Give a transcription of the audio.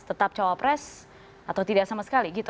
tetap cawapres atau tidak sama sekali gitu